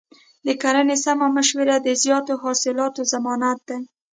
د کرنې سمه مشوره د زیاتو حاصلاتو ضمانت دی.